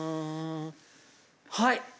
はい。